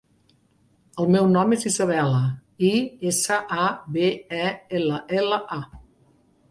El meu nom és Isabella: i, essa, a, be, e, ela, ela, a.